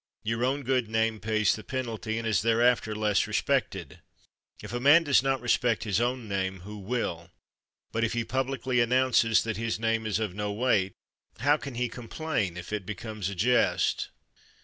Your own good name pays the penalty, and is thereafter less respected. If a man does not respect his own name, who will? But if he publicly announces that his name is of no weight, how can he complain if it becomes a jest?